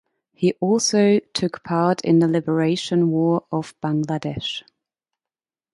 He also took part in the Liberation War of Bangladesh.